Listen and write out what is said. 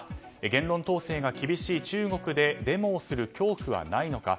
言論統制が厳しい中国でデモをする恐怖はないのか。